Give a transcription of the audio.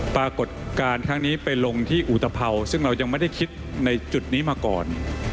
ปรากฏการณ์ครั้งนี้ไปลงที่อุตภัวซึ่งเรายังไม่ได้คิดในจุดนี้มาก่อน